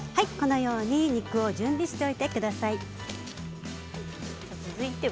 このように肉を準備しておいてください。